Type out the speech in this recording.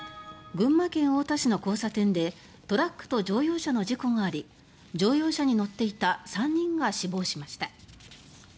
群馬県太田市の交差点でトラックと乗用車の事故があり乗用車に乗っていた３人が死亡しました。